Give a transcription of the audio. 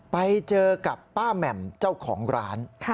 ไปเจอกับป้าแหม่มเจ้าของร้าน